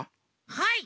はい。